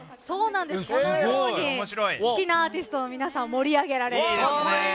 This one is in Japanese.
このように好きなアーティストを皆さん、盛り上げられるんです。